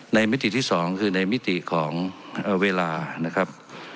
มิติที่๒คือในมิติของเวลานะครับ